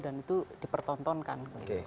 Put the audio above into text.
dan itu dipertontonkan